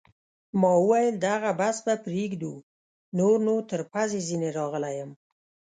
ما وویل: دغه بحث به پرېږدو، نور نو تر پزې ځیني راغلی یم.